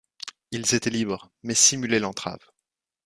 ils étaient libres mais simulaient l'entrave.